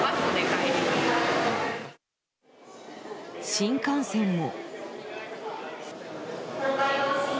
新幹線も。